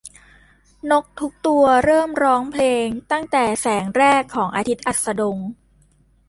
นกทุกตัวเริ่มร้องเพลงตั้งแต่แสงแรกของอาทิตย์อัสดง